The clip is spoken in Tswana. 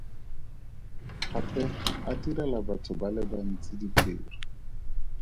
Gape a direla batho ba le bantsi ditiro.